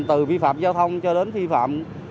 từ vi phạm giao thông cho đến vi phạm